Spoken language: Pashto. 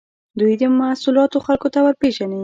دوی محصولات خلکو ته ورپېژني.